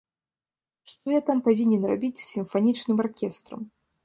Што я там павінен рабіць з сімфанічным аркестрам?